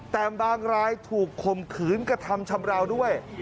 แต่บางรายถูกข่มขืนกระทำชำราวด้วย